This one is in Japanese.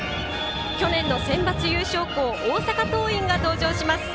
去年のセンバツ優勝校大阪桐蔭が登場します。